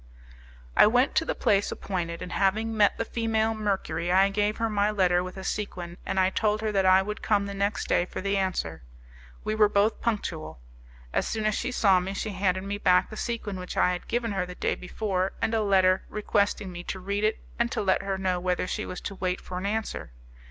I went to the place appointed, and having met the female Mercury I gave her my letter with a sequin, and I told her that I would come the next day for the answer. We were both punctual. As soon as she saw me, she handed me back the sequin which I had given her the day before, and a letter, requesting me to read it and to let her know whether she was to wait for an answer.